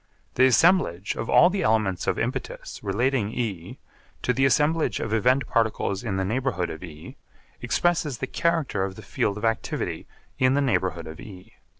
The assemblage of all the elements of impetus relating E to the assemblage of event particles in the neighbourhood of E expresses the character of the field of activity in the neighbourhood of E.